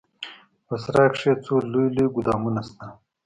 په سراى کښې څو لوى لوى ګودامونه سته.